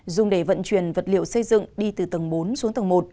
dùng để vận chuyển vật liệu xây dựng đi từ tầng bốn xuống tầng một